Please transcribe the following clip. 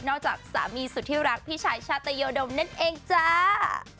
จากสามีสุดที่รักพี่ชายชาตยดมนั่นเองจ้า